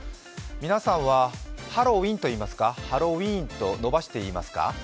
皆さんはハロウィンと言いますか、ハロウィーンと伸ばして言いますか？